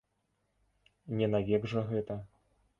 Не навек жа гэта.